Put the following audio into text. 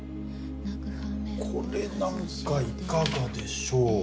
これなんかいかがでしょう？